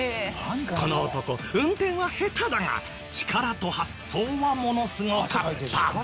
この男運転は下手だが力と発想はものすごかった。